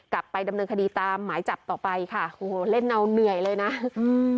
กลับไปดำเนินคดีตามหมายจับต่อไปค่ะโอ้โหเล่นเอาเหนื่อยเลยนะอืม